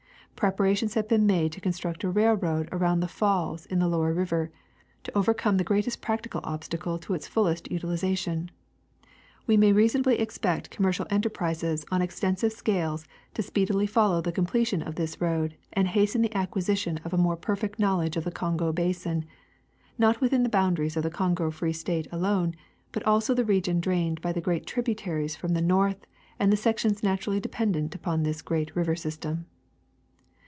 Preparations have been made to construct a railroad around the falls in the lower river to over come the greatest practical obstacle to its fullest utilization. We may reasonably expect commercial enterprises on extensive scales to speedily follow the completion of this road and hasten the ac quisition of a more perfect knowledge of the Kongo basin, not within the boundaries of the Kongo Free State alone, but also the region drained by the great tributaries from the north and the sections naturally dependent U]3on this great river system.